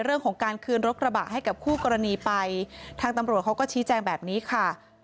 เรื่องของการคืนรถกระบะให้กับคู่กรณีไปทางตำรวจเขาก็ชี้แจงแบบนี้ค่ะ